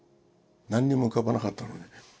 何にも浮かばなかったのね。